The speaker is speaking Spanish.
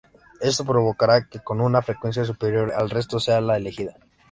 Esto provocará que con una frecuencia superior al resto sea la elegida.